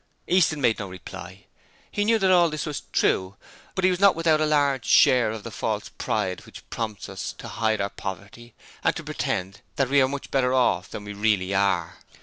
Easton made no reply: he knew that all this was true, but he was not without a large share of the false pride which prompts us to hide our poverty and to pretend that we are much better off than we really are.